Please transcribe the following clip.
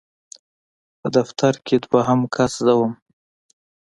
په دفتر کې دویم کس زه وم.